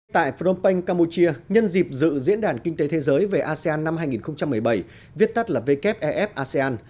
tại phnom penh campuchia nhân dịp dự diễn đàn kinh tế thế giới về asean năm hai nghìn một mươi bảy viết tắt là wef asean